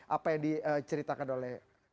apa yang diceritakan oleh